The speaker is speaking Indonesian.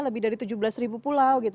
lebih dari tujuh belas ribu pulau gitu